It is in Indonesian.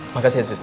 makasih ya suster